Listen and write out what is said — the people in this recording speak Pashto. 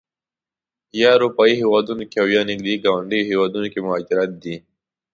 یا اروپایي هېوادونو کې او یا نږدې ګاونډیو هېوادونو کې مهاجر دي.